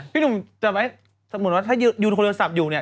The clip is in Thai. พี่หนุ่มถ้าอยู่โทรศัพท์อยู่เนี่ย